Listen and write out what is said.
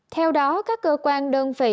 theo đó các cơ quan đơn vị